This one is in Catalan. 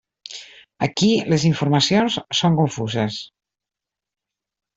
Aquí les informacions són confuses.